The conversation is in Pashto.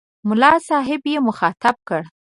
ملا صاحب یې مخاطب کړ.